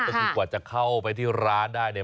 ก็คือกว่าจะเข้าไปที่ร้านได้เนี่ย